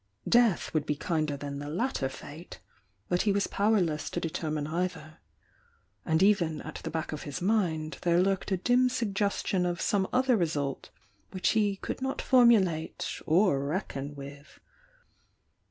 Death would be kinder than the lotter fate, but he was powerless to determine either. And even at the back of his mind there lurked a dim suggestion of some other result which he could not formulate or reckon with.